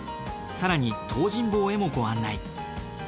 更に東尋坊へもご案内。